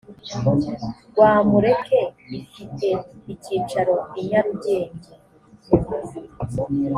rwamureke ifite icyicaro i nyarugenge.